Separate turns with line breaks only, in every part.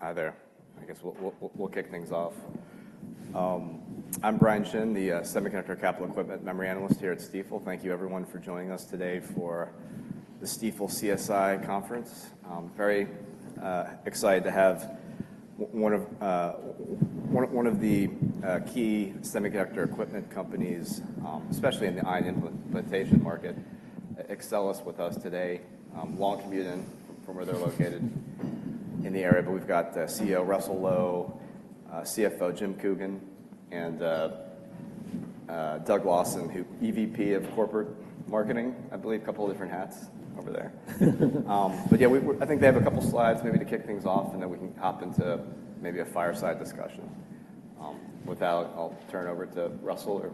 Hi there. I guess we'll kick things off. I'm Brian Chin, the Semiconductor Capital Equipment Memory Analyst here at Stifel. Thank you, everyone, for joining us today for the Stifel CSI Conference. Very excited to have one of the key semiconductor equipment companies, especially in the ion implantation market, Axcelis, with us today. Long commute in from where they're located in the area, but we've got CEO Russell Low, CFO Jim Coogan, and Doug Lawson, who EVP of Corporate Marketing. I believe a couple of different hats over there. But yeah, I think they have a couple slides maybe to kick things off, and then we can hop into maybe a fireside discussion. I'll turn it over to Russell or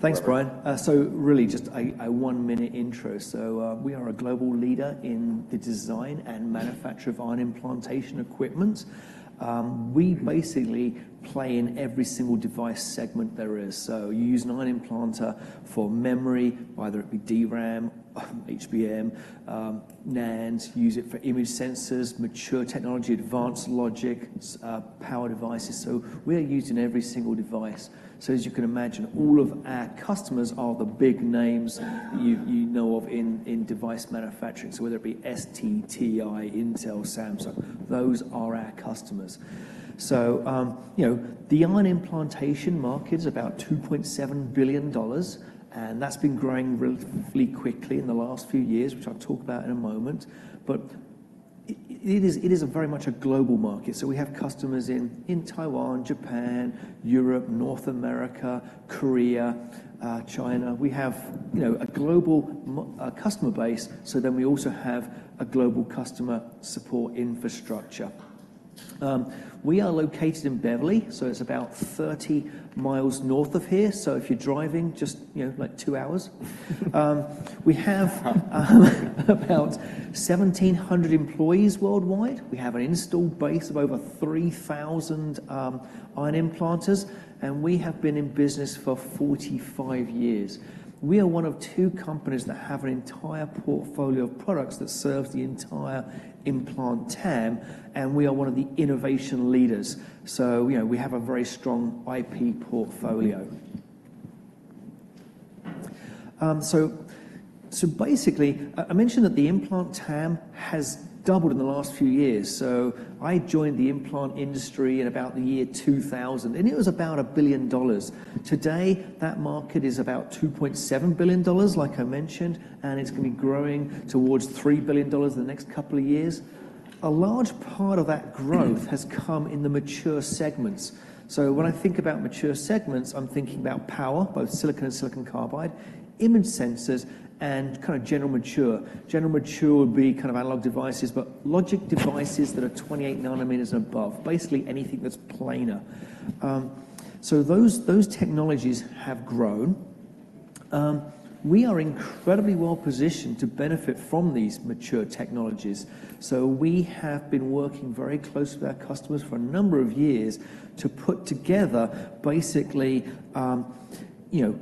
whoever.
Thanks, Brian. So really just a one-minute intro. So, we are a global leader in the design and manufacture of ion implantation equipment. We basically play in every single device segment there is. So you use an ion implanter for memory, whether it be DRAM, HBM, NAND, you use it for image sensors, mature technology, advanced logic, power devices. So we are used in every single device. So as you can imagine, all of our customers are the big names you know of in device manufacturing. So whether it be STTI, Intel, Samsung, those are our customers. So, you know, the ion implantation market is about $2.7 billion, and that's been growing relatively quickly in the last few years, which I'll talk about in a moment. But it is, it is a very much a global market. So we have customers in Taiwan, Japan, Europe, North America, Korea, China. We have, you know, a global customer base, so then we also have a global customer support infrastructure. We are located in Beverly, so it's about 30 miles north of here. So if you're driving, just, you know, like 2 hours. We have about 1,700 employees worldwide. We have an installed base of over 3,000 ion implanters, and we have been in business for 45 years. We are one of two companies that have an entire portfolio of products that serves the entire implant TAM, and we are one of the innovation leaders. So, you know, we have a very strong IP portfolio. So basically, I mentioned that the implant TAM has doubled in the last few years. So I joined the implant industry in about the year 2000, and it was about $1 billion. Today, that market is about $2.7 billion, like I mentioned, and it's going to be growing towards $3 billion in the next couple of years. A large part of that growth has come in the mature segments. So when I think about mature segments, I'm thinking about power, both silicon and silicon carbide, image sensors, and kind of general mature. General mature would be kind of analog devices, but logic devices that are 28 nanometers and above, basically anything that's planar. So those technologies have grown. We are incredibly well positioned to benefit from these mature technologies. So we have been working very closely with our customers for a number of years to put together basically, you know,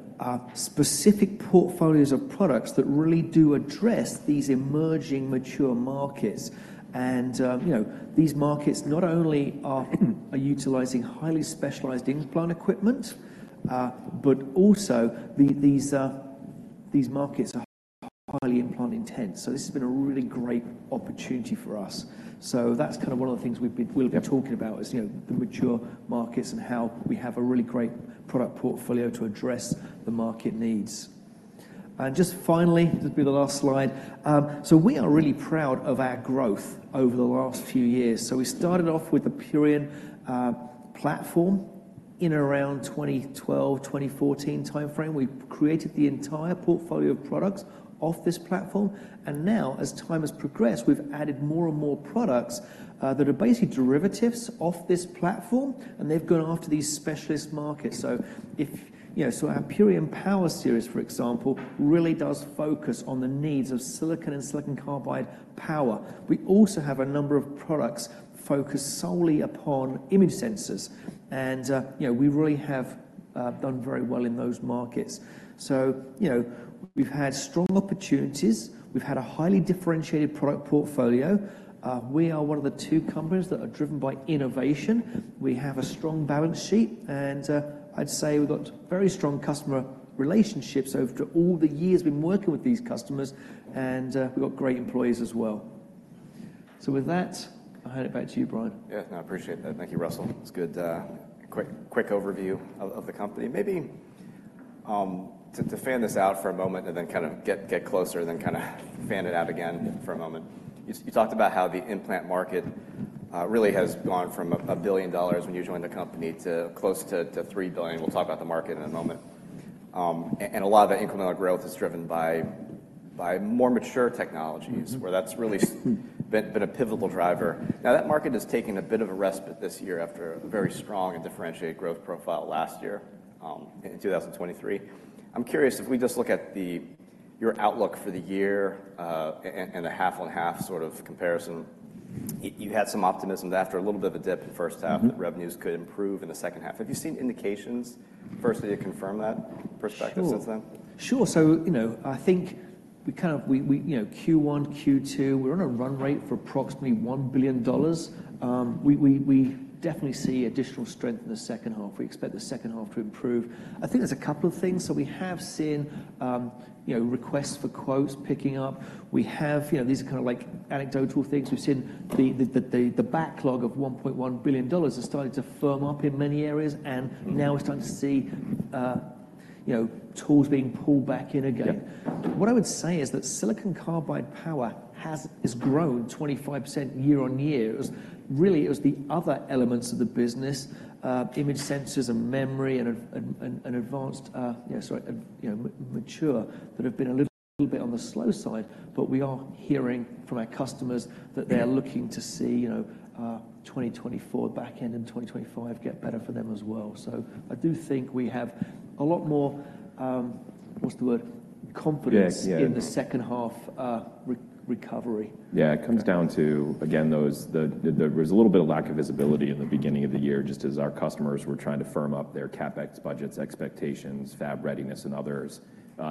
specific portfolios of products that really do address these emerging mature markets. And, you know, these markets not only are utilizing highly specialized implant equipment, but also these markets are highly implant intense. So this has been a really great opportunity for us. So that's kind of one of the things we've been- we'll be talking about is, you know, the mature markets and how we have a really great product portfolio to address the market needs. And just finally, this will be the last slide. So we are really proud of our growth over the last few years. So we started off with the Purion platform in around 2012, 2014 timeframe. We created the entire portfolio of products off this platform, and now as time has progressed, we've added more and more products that are basically derivatives off this platform, and they've gone after these specialist markets. You know, so our Purion Power Series, for example, really does focus on the needs of silicon and silicon carbide power. We also have a number of products focused solely upon image sensors, and you know, we really have done very well in those markets. So, you know, we've had strong opportunities. We've had a highly differentiated product portfolio. We are one of the two companies that are driven by innovation. We have a strong balance sheet, and I'd say we've got very strong customer relationships after all the years we've been working with these customers, and we've got great employees as well. With that, I'll hand it back to you, Brian.
Yeah, no, I appreciate that. Thank you, Russell. It's a good quick overview of the company. Maybe to fan this out for a moment and then kind of get closer, then kind of fan it out again for a moment. You talked about how the implant market really has gone from $1 billion when you joined the company to close to $3 billion. We'll talk about the market in a moment. And a lot of the incremental growth is driven by more mature technologies. Where that's really been a pivotal driver. Now, that market has taken a bit of a respite this year after a very strong and differentiated growth profile last year in 2023. I'm curious, if we just look at your outlook for the year, and the half-on-half sort of comparison, you had some optimism that after a little bit of a dip in the first half- The revenues could improve in the second half. Have you seen indications, firstly, to confirm that perspective since then?
Sure. Sure, so, you know, I think we kind of, you know, Q1, Q2, we're on a run rate for approximately $1 billion. We definitely see additional strength in the second half. We expect the second half to improve. I think there's a couple of things. So we have seen, you know, requests for quotes picking up. We have, you know, these are kind of like anecdotal things. We've seen the backlog of $1.1 billion has started to firm up in many areas, an now we're starting to see, you know, tools being pulled back in again.
Yep.
What I would say is that silicon carbide power has grown 25% year-over-year. Really, it was the other elements of the business, image sensors and memory and, you know, mature, that have been a little bit on the slow side, but we are hearing from our customers that they are looking to see, you know, 2024 back end and 2025 get better for them as well. So I do think we have a lot more, what's the word? Confidence.
Yeah, yeah
In the second half, recovery.
Yeah, it comes down to, again, those, there was a little bit of lack of visibility in the beginning of the year, just as our customers were trying to firm up their CapEx budgets, expectations, fab readiness, and others,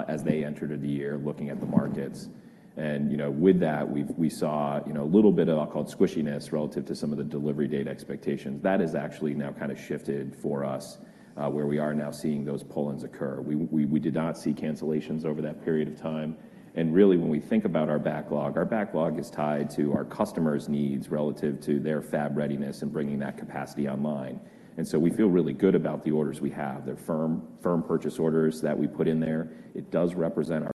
as they entered the year, looking at the markets. And, you know, with that, we saw, you know, a little bit of what I'll call squishiness relative to some of the delivery date expectations. That has actually now kind of shifted for us, where we are now seeing those pull-ins occur. We did not see cancellations over that period of time, and really, when we think about our backlog, our backlog is tied to our customers' needs relative to their fab readiness and bringing that capacity online, and so we feel really good about the orders we have. They're firm, firm purchase orders that we put in there. It does represent our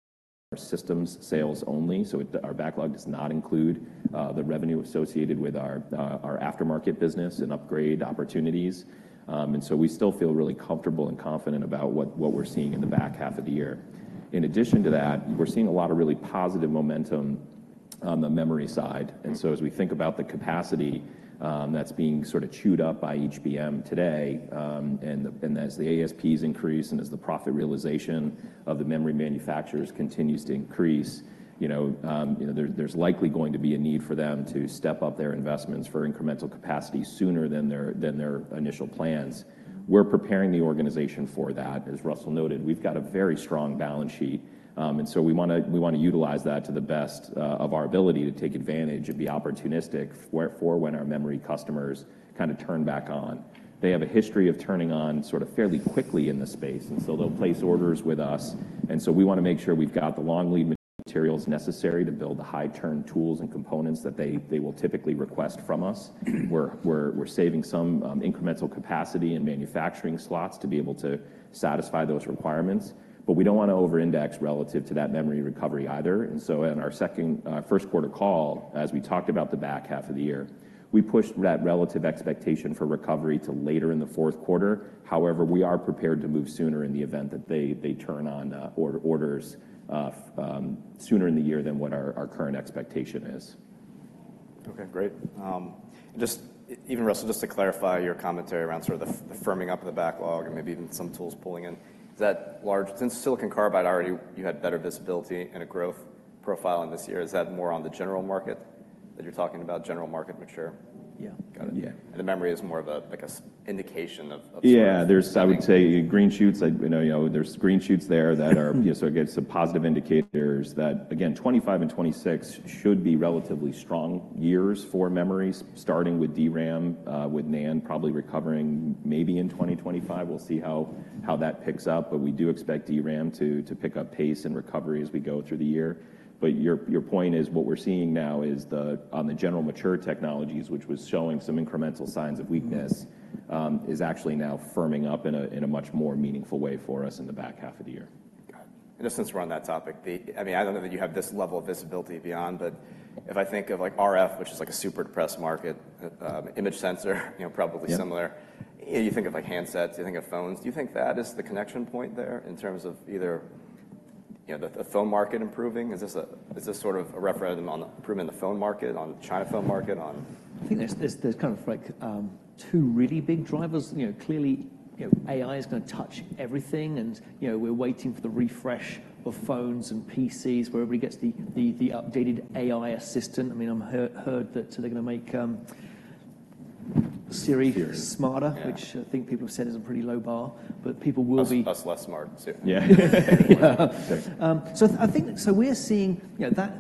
systems sales only, so it, our backlog does not include, the revenue associated with our, our aftermarket business and upgrade opportunities. And so we still feel really comfortable and confident about what, what we're seeing in the back half of the year. In addition to that, we're seeing a lot of really positive momentum on the memory side, and so, as we think about the capacity, that's being sort of chewed up by HBM today, and, and as the ASPs increase and as the profit realization of the memory manufacturers continues to increase, you know, you know, there's, there's likely going to be a need for them to step up their investments for incremental capacity sooner than their, than their initial plans. We're preparing the organization for that. As Russell noted, we've got a very strong balance sheet, and so we wanna utilize that to the best of our ability to take advantage and be opportunistic where for when our memory customers kind of turn back on. They have a history of turning on sort of fairly quickly in this space, and so they'll place orders with us, and so we wanna make sure we've got the long-lead materials necessary to build the high-turn tools and components that they will typically request from us. We're saving some incremental capacity and manufacturing slots to be able to satisfy those requirements, but we don't want to over-index relative to that memory recovery either, and so in our first quarter call, as we talked about the back half of the year, we pushed that relative expectation for recovery to later in the fourth quarter. However, we are prepared to move sooner in the event that they turn on orders sooner in the year than what our current expectation is.
Okay, great. Just even, Russell, just to clarify your commentary around sort of the firming up of the backlog and maybe even some tools pulling in, is that largely since silicon carbide already, you had better visibility and a growth profile in this year, is that more on the general market that you're talking about, general market mature?
Yeah.
Got it.
Yeah.
The memory is more of a, like an indication of, of-
Yeah, there's
Sort of
I would say green shoots. So again, some positive indicators that, again, 2025 and 2026 should be relatively strong years for memories, starting with DRAM, with NAND probably recovering maybe in 2025. We'll see how that picks up, but we do expect DRAM to pick up pace and recovery as we go through the year. But your point is what we're seeing now is, on the general mature technologies, which was showing some incremental signs of weakness, is actually now firming up in a much more meaningful way for us in the back half of the year.
Got it. And just since we're on that topic, the... I mean, I don't know that you have this level of visibility beyond, but if I think of, like, RF, which is, like, a super depressed market, image sensor, you know, probably similar.
Yep.
You think of, like, handsets, you think of phones. Do you think that is the connection point there in terms of either, you know, the phone market improving? Is this a, is this sort of a referendum on the improvement in the phone market, on the China phone market, on.
I think there's kind of like two really big drivers. You know, clearly, you know, AI is gonna touch everything, and, you know, we're waiting for the refresh of phones and PCs, where everybody gets the updated AI assistant. I mean, I've heard that they're gonna make Siri.
Siri
smarter
Yeah
which I think people have said is a pretty low bar, but people will be
Us less smart too.
Yeah.
So I think, so we're seeing, you know, that,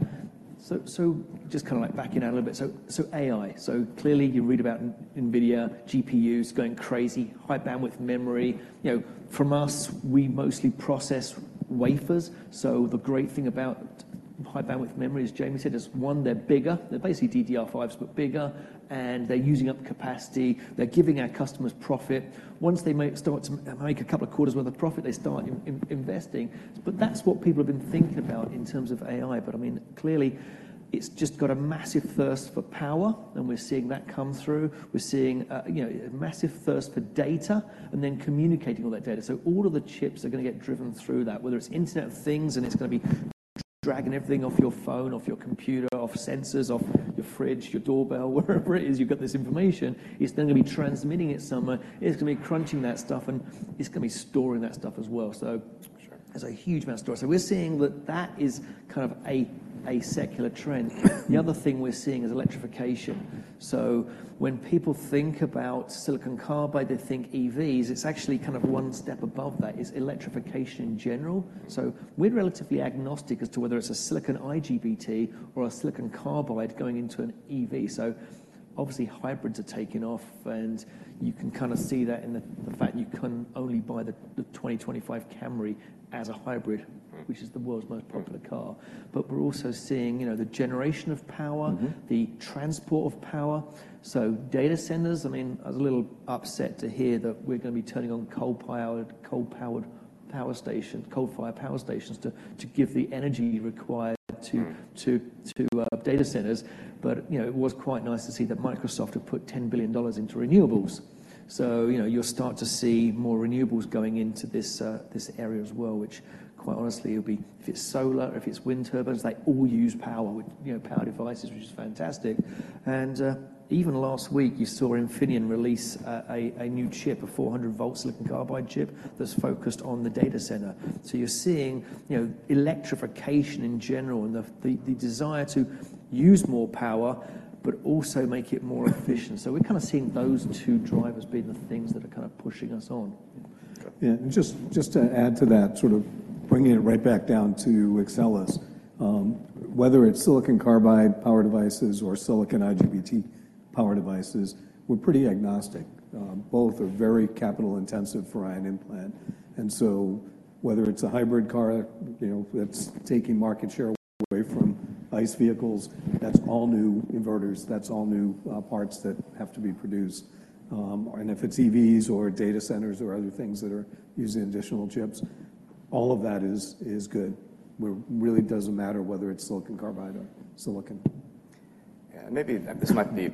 so, so just kinda like backing out a little bit, so, so AI, so clearly you read about NVIDIA, GPUs going crazy, high-bandwidth memory. You know, from us, we mostly process wafers, so the great thing about high-bandwidth memory, as James said, is, one, they're bigger. They're basically DDR5s, but bigger, and they're using up capacity. They're giving our customers profit. Once they start to make a couple of quarters worth of profit, they start investing. But that's what people have been thinking about in terms of AI, but I mean, clearly, it's just got a massive thirst for power, and we're seeing that come through. We're seeing, you know, a massive thirst for data and then communicating all that data. So all of the chips are gonna get driven through that, whether it's Internet of Things and it's gonna be dragging everything off your phone, off your computer, off sensors, off your fridge, your doorbell, wherever it is you get this information, it's then gonna be transmitting it somewhere. It's gonna be crunching that stuff, and it's gonna be storing that stuff as well. There's a huge amount of storage. So we're seeing that that is kind of a secular trend. The other thing we're seeing is electrification. So when people think about silicon carbide, they think EVs. It's actually kind of one step above that, is electrification in general. So we're relatively agnostic as to whether it's a silicon IGBT or a silicon carbide going into an EV. So obviously, hybrids are taking off, and you can kind of see that in the fact you can only buy the 2025 Camry as a hybrid which is the world's most popular car. But we're also seeing, you know, the generation of power the transport of power. So data centers, I mean, I was a little upset to hear that we're gonna be turning on coal-powered, coal-powered power stations, coal-fired power stations to, to give the energy required to to data centers. But, you know, it was quite nice to see that Microsoft had put $10 billion into renewables. So, you know, you'll start to see more renewables going into this, this area as well, which, quite honestly, it'll be... If it's solar or if it's wind turbines, they all use power, which, you know, power devices, which is fantastic. And, even last week, you saw Infineon release a new chip, a 400 V silicon carbide chip, that's focused on the data center. So you're seeing, you know, electrification in general and the desire to use more power, but also make it more efficient. So we're kind of seeing those two drivers being the things that are kind of pushing us on.
Yeah, and just, just to add to that, sort of bringing it right back down to Axcelis. Whether it's silicon carbide power devices or silicon IGBT power devices, we're pretty agnostic. Both are very capital intensive for ion implant. And so whether it's a hybrid car, you know, that's taking market share away from ICE vehicles, that's all new inverters, that's all new, parts that have to be produced. And if it's EVs or data centers or other things that are using additional chips, all of that is, is good. Where it really doesn't matter whether it's silicon carbide or silicon.
Yeah, maybe this might be,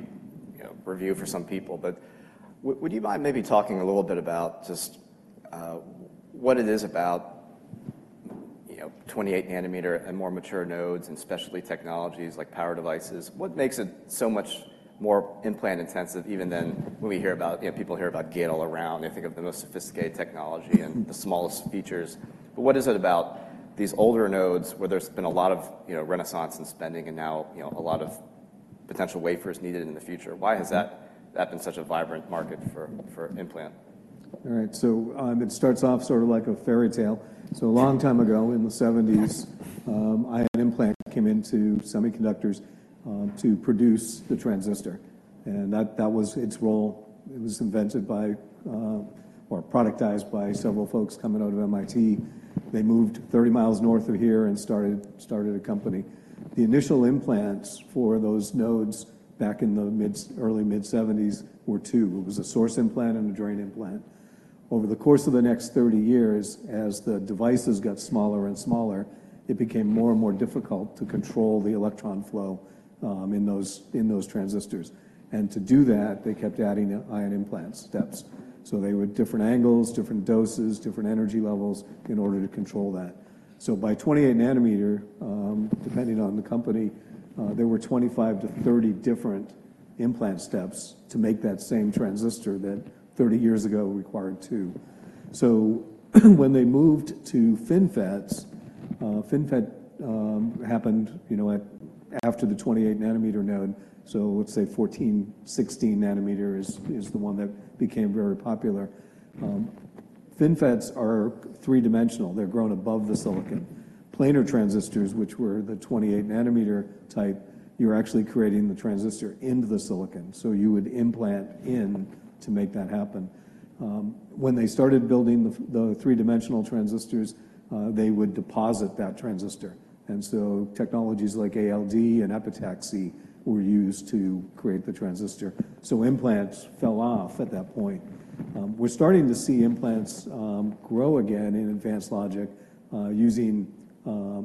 you know, review for some people, but would, would you mind maybe talking a little bit about just, what it is about, you know, 28 nm and more mature nodes and specialty technologies like power devices? What makes it so much more implant-intensive even than when we hear about, you know, people hear about Gate-all-around, they think of the most sophisticated technology and the smallest features. But what is it about these older nodes where there's been a lot of, you know, renaissance in spending and now, you know, a lot of potential wafers needed in the future? Why has that, that been such a vibrant market for, for implant?
All right, so, it starts off sort of like a fairy tale. So a long time ago, in the 1970s, ion implant came into semiconductors, to produce the transistor, and that, that was its role. It was invented by, or productized by several folks coming out of MIT. They moved 30 mi north of here and started a company. The initial implants for those nodes back in the early mid-1970s were 2. It was a source implant and a drain implant. Over the course of the next 30 years, as the devices got smaller and smaller, it became more and more difficult to control the electron flow, in those transistors. And to do that, they kept adding the ion implant steps. So they were different angles, different doses, different energy levels in order to control that. So by 28 nm, depending on the company, there were 25-30 different implant steps to make that same transistor that 30 years ago required two. So when they moved to FinFETs, FinFET happened, you know, after the 28 nm node. So let's say 14, 16 nanometer is the one that became very popular. FinFETs are three-dimensional; they're grown above the silicon. Planar transistors, which were the 28 nm type, you're actually creating the transistor into the silicon, so you would implant in to make that happen. When they started building the three-dimensional transistors, they would deposit that transistor. And so technologies like ALD and epitaxy were used to create the transistor. So implants fell off at that point. We're starting to see implants grow again in advanced logic using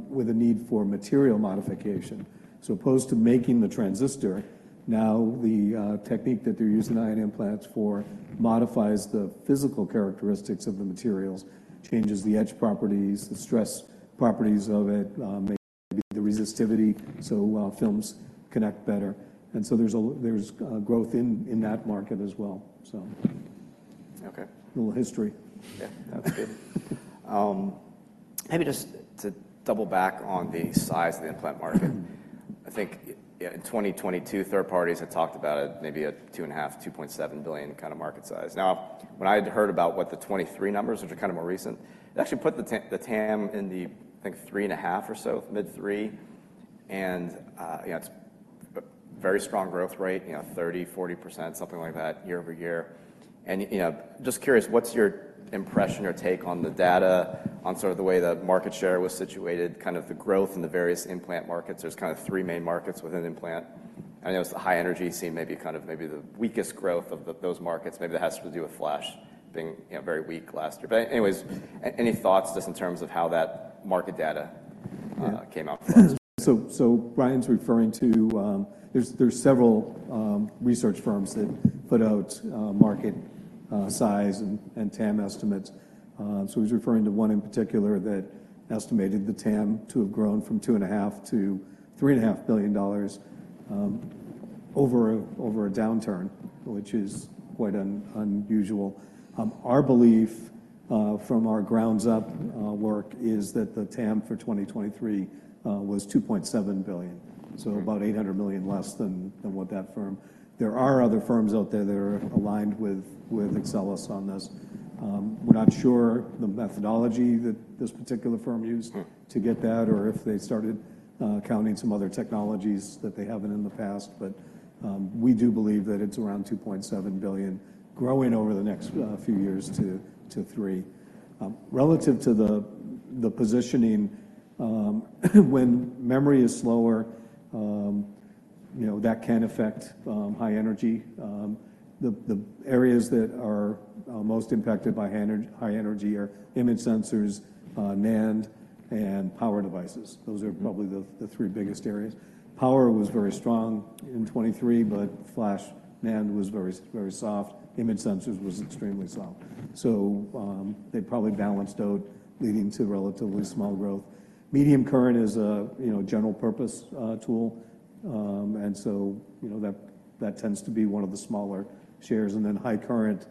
with a need for material modification. So opposed to making the transistor, now the technique that they're using ion implants for modifies the physical characteristics of the materials, changes the edge properties, the stress properties of it, maybe the resistivity, so films connect better. And so there's growth in that market as well, so.
Okay.
A little history.
Yeah, that's good. Maybe just to double back on the size of the implant market, I think in 2022, third parties had talked about it, maybe a $2.5 billion-$2.7 billion kind of market size. Now, when I'd heard about what the 2023 numbers, which are kind of more recent, they actually put the the TAM in the, I think, $3.5 billion or so, mid-$3 billion. And, you know, it's a very strong growth rate, you know, 30%-40%, something like that, year-over-year. And, you know, just curious, what's your impression or take on the data, on sort of the way the market share was situated, kind of the growth in the various implant markets? There's kind of three main markets within implant. I know it's the high energy segment, maybe kind of maybe the weakest growth of those markets. Maybe that has to do with flash being, you know, very weak last year. But anyways, any thoughts just in terms of how that market data came out for us?
So Brian's referring to, there are several research firms that put out market size and TAM estimates. So he's referring to one in particular that estimated the TAM to have grown from $2.5 billion-$3.5 billion over a downturn, which is quite unusual. Our belief, from our ground-up work, is that the TAM for 2023 was $2.7 billion, so about $800 million less than what that firm. There are other firms out there that are aligned with Axcelis on this. We're not sure the methodology that this particular firm used to get that, or if they started counting some other technologies that they haven't in the past. But we do believe that it's around $2.7 billion growing over the next few years to $3 billion. Relative to the positioning, when memory is slower, you know, that can affect high energy. The areas that are most impacted by high energy are image sensors, NAND, and power devices. Those are probably the three biggest areas. Power was very strong in 2023, but flash NAND was very, very soft. Image sensors was extremely soft. So they probably balanced out, leading to relatively small growth. Medium current is a general-purpose tool. And so, you know, that tends to be one of the smaller shares. And then high current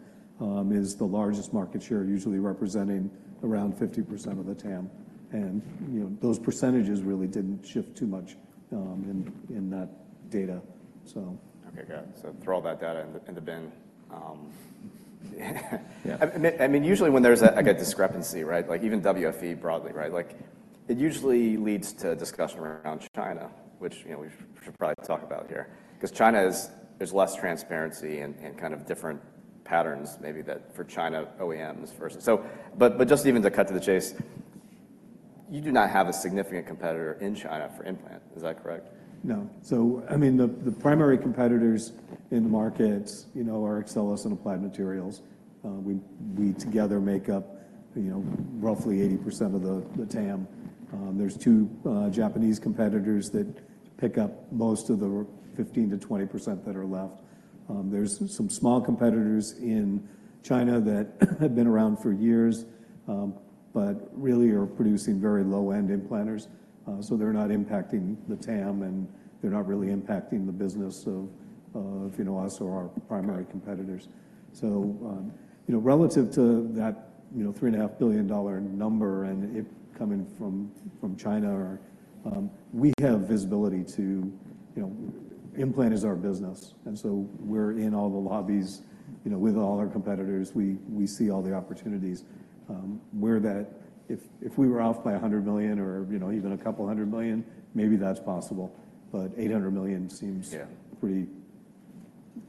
is the largest market share, usually representing around 50% of the TAM. You know, those percentages really didn't shift too much in that data, so.
Okay, got it. So throw all that data in the bin.
Yeah.
I mean, usually when there's a, like a discrepancy, right? Like even WFE broadly, right? Like, it usually leads to discussion around China, which, you know, we should probably talk about here, 'cause China is there's less transparency and, and kind of different patterns maybe that for China OEMs versus. So but, but just even to cut to the chase, you do not have a significant competitor in China for implant, is that correct?
No. So I mean, the primary competitors in the markets, you know, are Axcelis and Applied Materials. We together make up, you know, roughly 80% of the TAM. There's two Japanese competitors that pick up most of the 15%-20% that are left. There's some small competitors in China that have been around for years, but really are producing very low-end implanters. So they're not impacting the TAM, and they're not really impacting the business of, you know, us or our primary competitors. So, you know, relative to that, you know, $3.5 billion dollar number, and it coming from, from China or, we have visibility to... You know, implant is our business, and so we're in all the fabs, you know, with all our competitors. We see all the opportunities. If we were off by $100 million or, you know, even $200 million, maybe that's possible, but $800 million seem
Yeah
pretty,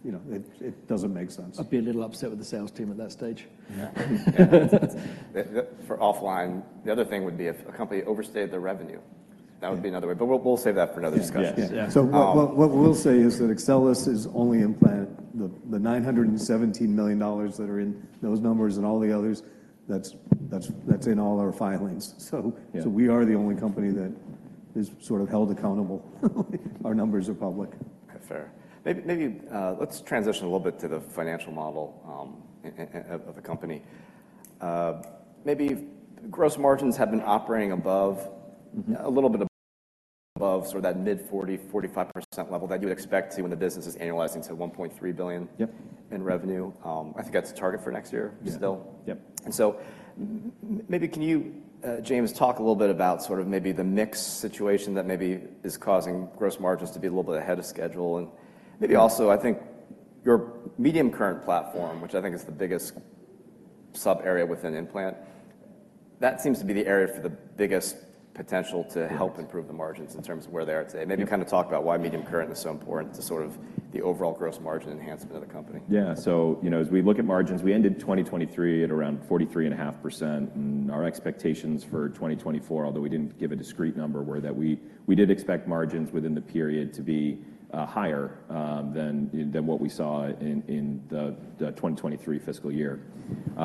you know, it, it doesn't make sense.
I'd be a little upset with the sales team at that stage.
Yeah. For offline, the other thing would be if a company overstayed their revenue. That would be another way, but we'll, we'll save that for another discussion.
Yes.
Yeah.
So what we'll say is that Axcelis is only implant. The $917 million that are in those numbers and all the others, that's in all our filings. So-
Yeah...
so we are the only company that is sort of held accountable. Our numbers are public.
Okay, fair. Maybe, maybe, let's transition a little bit to the financial model, of the company. Maybe gross margins have been operating above a little bit above sort of that mid 40%, 45% level that you would expect to see when the business is annualizing to $1.3 billion
Yep
in revenue. I think that's the target for next year
Yeah
still.
Yep.
And so maybe can you, James, talk a little bit about sort of maybe the mix situation that maybe is causing gross margins to be a little bit ahead of schedule? And maybe also, I think your medium current platform, which I think is the biggest sub-area within implant, that seems to be the area for the biggest potential to help improve the margins in terms of where they are today Maybe kind of talk about why medium current is so important to sort of the overall gross margin enhancement of the company.
Yeah. So, you know, as we look at margins, we ended 2023 at around 43.5%, and our expectations for 2024, although we didn't give a discrete number, were that we did expect margins within the period to be higher than what we saw in the 2023 fiscal year.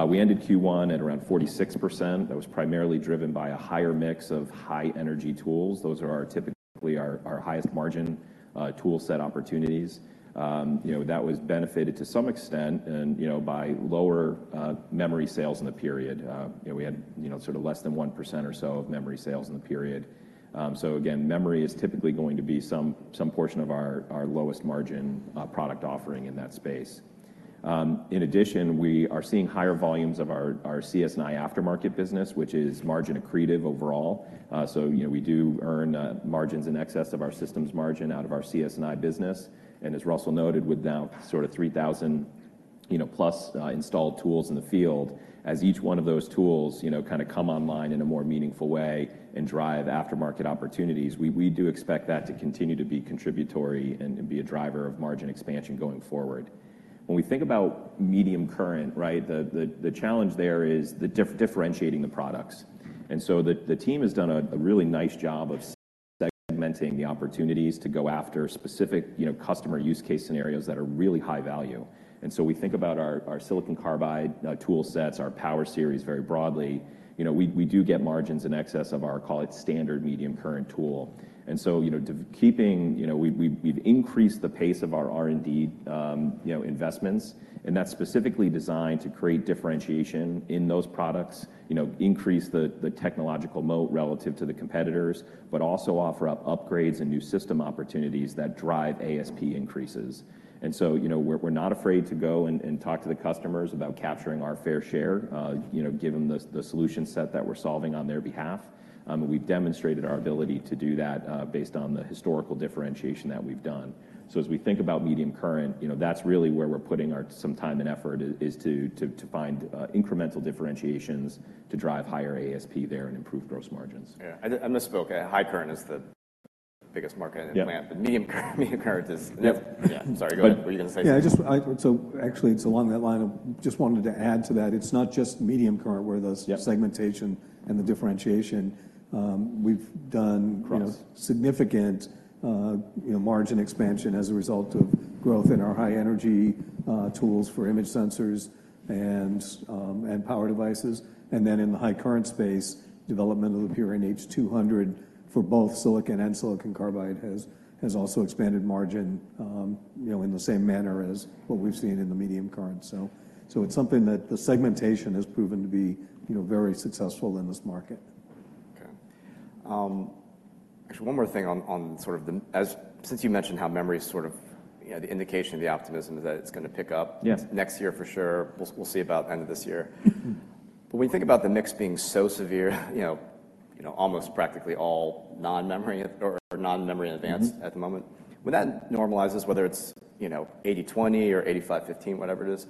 We ended Q1 at around 46%. That was primarily driven by a higher mix of high-energy tools. Those are typically our highest margin tool set opportunities. You know, that was benefited to some extent, you know, by lower memory sales in the period. You know, we had, you know, sort of less than 1% or so of memory sales in the period. So again, memory is typically going to be some portion of our lowest margin product offering in that space. In addition, we are seeing higher volumes of our CS and I aftermarket business, which is margin accretive overall. So, you know, we do earn margins in excess of our systems margin out of our CS& I business. And as Russell noted, with now sort of 3,000-plus installed tools in the field, as each one of those tools, you know, kind of come online in a more meaningful way and drive aftermarket opportunities, we do expect that to continue to be contributory and be a driver of margin expansion going forward. When we think about medium current, right? The challenge there is the differentiating the products. The team has done a really nice job of segmenting the opportunities to go after specific, you know, customer use case scenarios that are really high value. And so we think about our silicon carbide tool sets, our power series very broadly, you know, we do get margins in excess of our, call it, standard medium current tool. And so, you know, we've increased the pace of our R&D, you know, investments, and that's specifically designed to create differentiation in those products. You know, increase the technological moat relative to the competitors, but also offer up upgrades and new system opportunities that drive ASP increases. You know, we're not afraid to go and talk to the customers about capturing our fair share, you know, given the solution set that we're solving on their behalf. We've demonstrated our ability to do that, based on the historical differentiation that we've done. As we think about medium current, you know, that's really where we're putting some time and effort to find incremental differentiations to drive higher ASP there and improve gross margins.
Yeah, I misspoke. High current is the biggest market-
Yeah.
but medium current is
Yep.
Yeah. Sorry, go ahead. What were you going to say?
Yeah, I just. So actually, it's along that line of just wanted to add to that. It's not just medium current where there's-
Yeah
-segmentation and the differentiation. We've done-
Correct
significant, you know, margin expansion as a result of growth in our high energy tools for image sensors and, and power devices. And then in the high current space, development of the Purion H200 for both silicon and silicon carbide has, has also expanded margin, you know, in the same manner as what we've seen in the medium current. So, so it's something that the segmentation has proven to be, you know, very successful in this market.
Okay. Actually, one more thing on sort of the ASP since you mentioned how memory is sort of, you know, the indication of the optimism is that it's gonna pick up
Yes
next year for sure. We'll, we'll see about end of this year. But when you think about the mix being so severe, you know, you know, almost practically all non-memory or non-memory advance at the moment, when that normalizes, whether it's, you know, 80/20 or 85/15, whatever it is,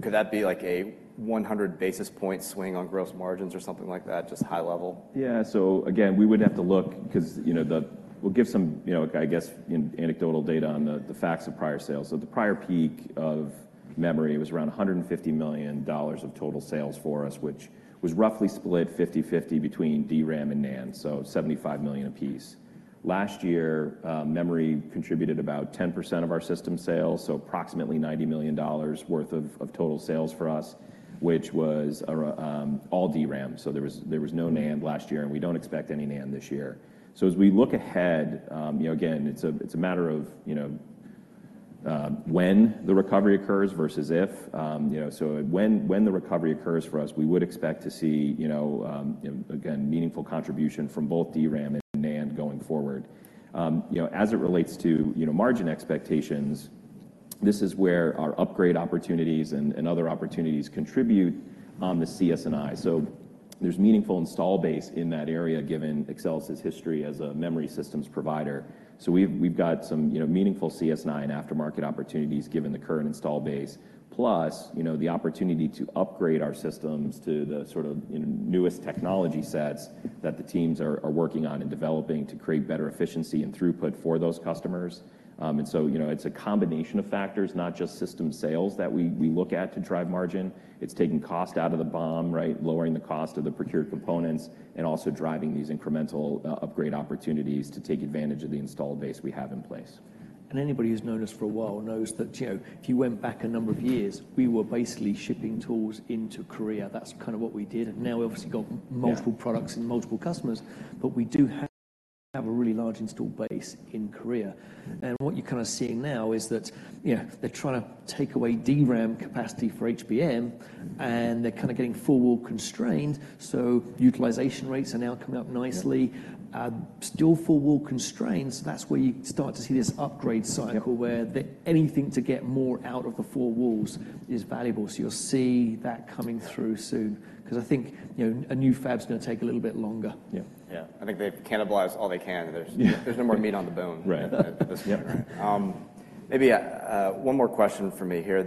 could that be like a 100 basis point swing on gross margins or something like that? Just high level.
Yeah. So again, we would have to look, 'cause, you know, the... We'll give some, you know, I guess, anecdotal data on the, the facts of prior sales. So the prior peak of memory was around $150 million of total sales for us, which was roughly split 50/50 between DRAM and NAND, so $75 million apiece. Last year, memory contributed about 10% of our system sales, so approximately $90 million worth of total sales for us, which was all DRAM. So there was no NAND last year, and we don't expect any NAND this year. So as we look ahead, you know, again, it's a matter of, you know, when the recovery occurs versus if. You know, so when, when the recovery occurs for us, we would expect to see, you know, again, meaningful contribution from both DRAM and NAND going forward. You know, as it relates to, you know, margin expectations, this is where our upgrade opportunities and, and other opportunities contribute on the CS&I. So there's meaningful install base in that area, given Axcelis' history as a memory systems provider. So we've, we've got some, you know, meaningful CS&I and aftermarket opportunities, given the current install base, plus, you know, the opportunity to upgrade our systems to the sort of, you know, newest technology sets that the teams are, are working on and developing to create better efficiency and throughput for those customers. And so, you know, it's a combination of factors, not just system sales that we, we look at to drive margin. It's taking cost out of the BOM, right? Lowering the cost of the procured components, and also driving these incremental upgrade opportunities to take advantage of the installed base we have in place.
And anybody who's known us for a while knows that, you know, if you went back a number of years, we were basically shipping tools into Korea. That's kind of what we did. And now we've obviously got-
Yeah
multiple products and multiple customers, but we do have a really large installed base in Korea. And what you're kind of seeing now is that, you know, they're trying to take away DRAM capacity for HBM, and they're kind of getting four-wall constrained, so utilization rates are now coming up nicely.
Yeah.
still four-wall constrained, so that's where you start to see this upgrade cycle
Yeah
where anything to get more out of the four walls is valuable. So you'll see that coming through soon, 'cause I think, you know, a new fab's gonna take a little bit longer.
Yeah.
Yeah. I think they've cannibalized all they can. There's-
Yeah
there's no more meat on the bone.
Right.
Maybe, one more question for me here.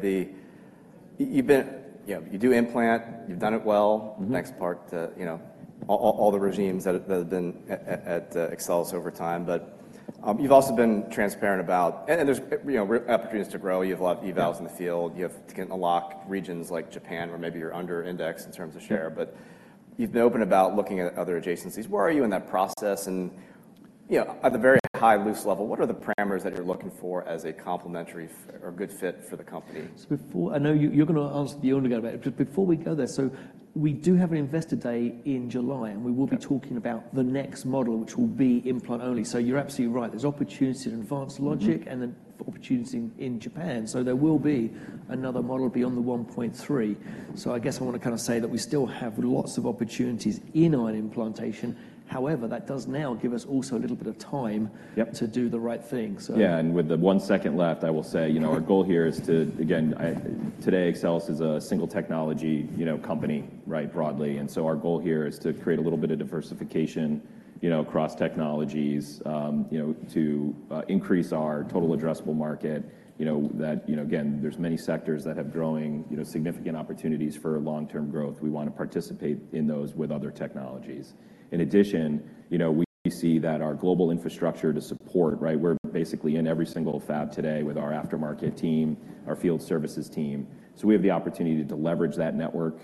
You've been. You know, you do implant, you've done it well. Next part, you know, all the regimes that have been at Axcelis over time, but you've also been transparent about... And there's, you know, opportunities to grow. You have a lot of evals in the field. You have to get unlock regions like Japan, where maybe you're under indexed in terms of share
Sure
but you've been open about looking at other adjacencies. Where are you in that process? And, you know, at the very high, loose level, what are the parameters that you're looking for as a complementary or good fit for the company?
So befor, I know you, you're gonna answer the undergone, but before we go there, so we do have an Investor Day in July, and we will-
Yeah
be talking about the next model, which will be implant only. So you're absolutely right. There's opportunity to advance logic and then opportunity in Japan. So there will be another model beyond the 1.3. So I guess I wanna kind of say that we still have lots of opportunities in our implantation. However, that does now give us also a little bit of time-
Yep
to do the right thing. So
Yeah, and with the one second left, I will say, you know, our goal here is to, again, today, Axcelis is a single technology, you know, company, right? Broadly. And so our goal here is to create a little bit of diversification, you know, across technologies, to increase our total addressable market. You know, that, you know, again, there's many sectors that have growing, you know, significant opportunities for long-term growth. We want to participate in those with other technologies. In addition, you know, we see that our global infrastructure to support, right? We're basically in every single fab today with our aftermarket team, our field services team. So we have the opportunity to leverage that network,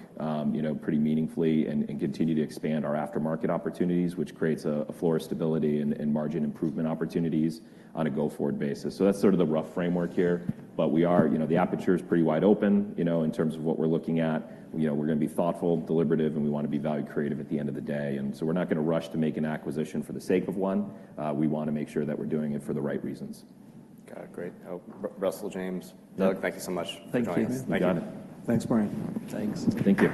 you know, pretty meaningfully and continue to expand our aftermarket opportunities, which creates a floor of stability and margin improvement opportunities on a go-forward basis. So that's sort of the rough framework here, but we are, you know, the aperture is pretty wide open, you know, in terms of what we're looking at. You know, we're gonna be thoughtful, deliberative, and we want to be value creative at the end of the day, and so we're not gonna rush to make an acquisition for the sake of one. We wanna make sure that we're doing it for the right reasons.
Got it. Great. Oh, Russell, James-
Yeah.
Doug, thank you so much for joining us.
Thank you.
You got it.
Thanks, Martin.
Thanks.
Thank you.